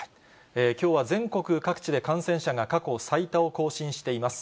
きょうは全国各地で感染者が過去最多を更新しています。